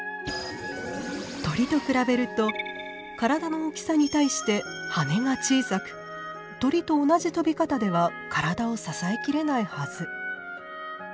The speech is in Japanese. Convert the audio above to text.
鳥と比べると体の大きさに対して羽が小さく鳥と同じ飛び方では体を支え切れないはず。